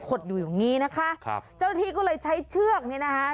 อยู่อย่างงี้นะคะครับเจ้าที่ก็เลยใช้เชือกเนี่ยนะคะ